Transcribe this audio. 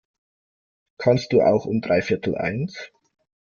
Kannst du auch um dreiviertel eins?